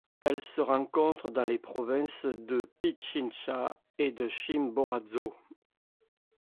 Elle se rencontre dans les provinces de Pichincha et de Chimborazo.